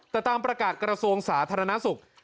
แต่ตามประกาศกระทรวงสาธารณสุข